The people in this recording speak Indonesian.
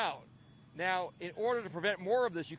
untuk memastikan lebih banyak hal tersebut